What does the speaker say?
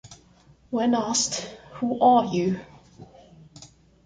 When asked, Who are you?